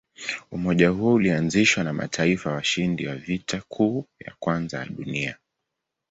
Umoja huo ulianzishwa na mataifa washindi wa Vita Kuu ya Kwanza ya Dunia.